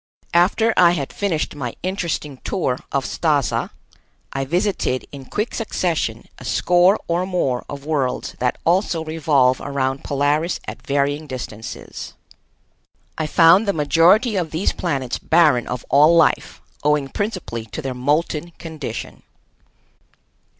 After I had finished my interesting tour of Stazza I visited in quick succession a score or more of worlds that also revolve around Polaris at varying distances. I found the majority of these planets barren of all life, owing principally to their molten condition.